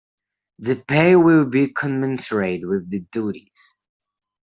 The pay will be commensurate with the duties.